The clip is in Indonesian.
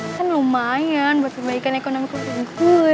kan lumayan buat perbaikan ekonomi keluarga gue